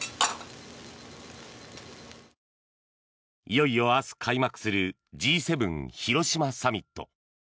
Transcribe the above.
いよいよ明日開幕するＧ７広島サミット。